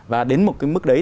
và đến một cái mức đấy